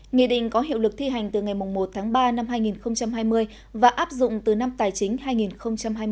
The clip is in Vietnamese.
nghị định có hiệu lực thi hành từ ngày một tháng ba năm hai nghìn hai mươi và áp dụng từ năm tài chính hai nghìn hai mươi